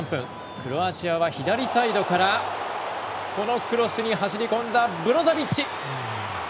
クロアチアは左サイドからこのクロスに走り込んだブロゾビッチ。